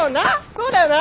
そうだよな？